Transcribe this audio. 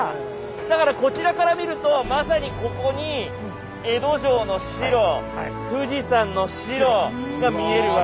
だからこちらから見るとまさにここに江戸城の白富士山の白が見えるわけですね。